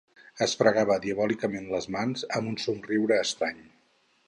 Es fregava diabòlicament les mans amb un somriure estrany.